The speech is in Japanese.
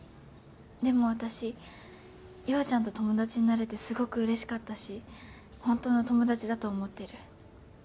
でも私優愛ちゃんと友達になれてすごくうれしかったしほんとの友達だと思ってる。